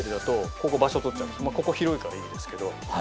ここ広いからいいですけど。